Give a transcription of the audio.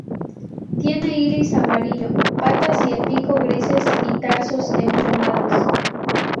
Tiene iris amarillo, patas y el pico grises y tarsos emplumados.